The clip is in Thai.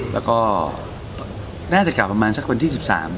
และก็งั้นได้กลับไปประมาณปันที่๑๓